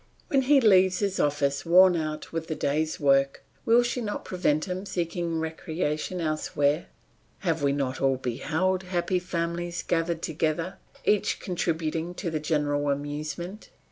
When he leaves his office worn out with the day's work, will she not prevent him seeking recreation elsewhere? Have we not all beheld happy families gathered together, each contributing to the general amusement?